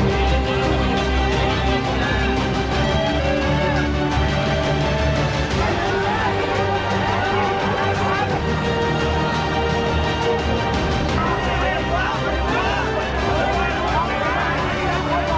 แกขอคมความทรงพลที่ถูกแต่เข้าไปก่อน